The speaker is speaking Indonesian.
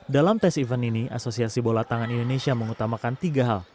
dalam tes event ini asosiasi bola tangan indonesia mengutamakan tiga hal